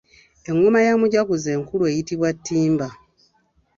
Engoma ya mujaguzo enkulu eyitibwa Ttimba.